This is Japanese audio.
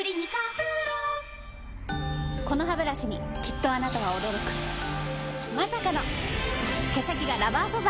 このハブラシにきっとあなたは驚くまさかの毛先がラバー素材！